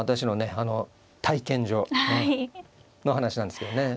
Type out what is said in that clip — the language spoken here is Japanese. あの体験上の話なんですけどね。